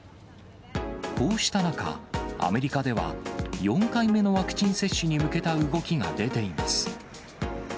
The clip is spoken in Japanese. こうした中、アメリカでは、４回目のワクチン接種に向けた動きが出ています。